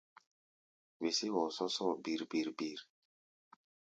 Wesé hɔɔ sɔ́sɔ́ɔ bir-bir-bir.